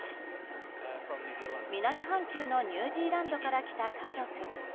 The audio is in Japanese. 南半球のニュージーランドから来た家族。